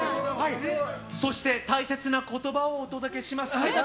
そして、大切な言葉をお届けします。